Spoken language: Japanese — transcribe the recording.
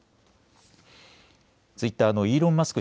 ツイッターのイーロン・マスク